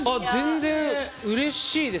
全然うれしいです。